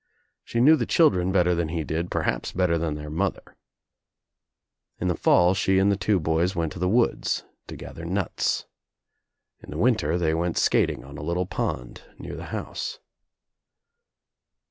She knew the children better than he did, perhaps better than their mother. In the fall she and the two boys went to the woods to gather nuts. THE DOOR OF THE TRAP 129 fth< In the winter they went skating on a little pond near the house.